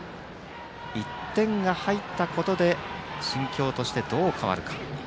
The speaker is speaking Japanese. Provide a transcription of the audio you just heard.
１点が入ったことで心境として、どう変わるか。